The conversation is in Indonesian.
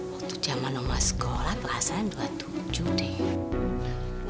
waktu zaman omah sekolah perasaan dua puluh tujuh deh